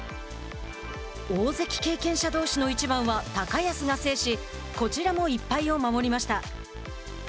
大関経験者どうしの一番は高安が制しこちらも１敗を守りました。